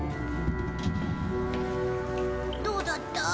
どうだった？